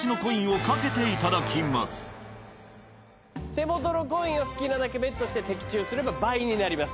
手元のコインを好きなだけベットして的中すれば倍になります。